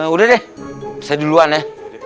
udah deh bisa duluan ya